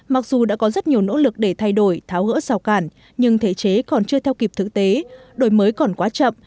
mặc dù đã có rất nhiều nỗ lực để thay đổi tháo gỡ xào cản nhưng thể chế còn chưa theo kịp thực tế đổi mới còn quá chậm